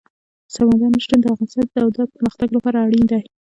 سمندر نه شتون د افغانستان د دوامداره پرمختګ لپاره اړین دي.